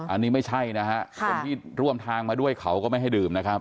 อันนี้ไม่ใช่นะฮะคนที่ร่วมทางมาด้วยเขาก็ไม่ให้ดื่มนะครับ